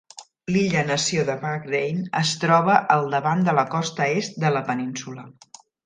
L'illa nació de Bahrain es troba al davant de la costa est de la península.